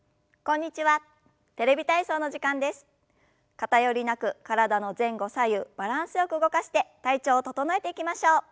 偏りなく体の前後左右バランスよく動かして体調を整えていきましょう。